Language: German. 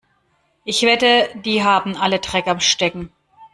Ich wette, die haben alle Dreck am Stecken.